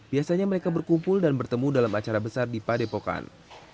biasanya mereka berkumpul dan bertemu dalam acara besar di padepokan